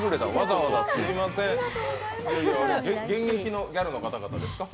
現役のギャルの方々ですか？